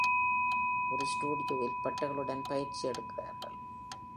ஒரு ஸ்டியோவில் பட்டைகளுடன் பயிற்சி எடுக்கிறார்கள்.